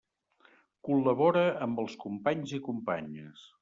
Col·labora amb els companys i companyes.